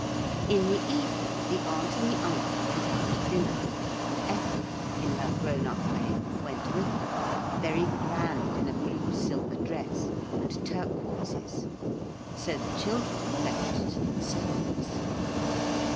In the evening the aunt and the uncle went out to dinner, and Ethel, in her grown up way, went with them, very grand in a blue silk dress and turquoises. So the children were left to themselves.